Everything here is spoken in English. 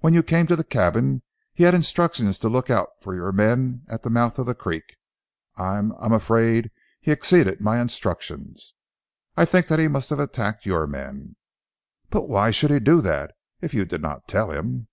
When you came to the cabin he had instructions to look out for your men at the mouth of the creek. I I am afraid he exceeded my instructions. I think that he must have attacked your men " "But why should he do that, if you did not tell him?"